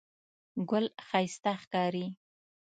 ګل ښایسته ښکاري.